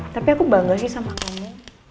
tapi aku bangga sih sama kamu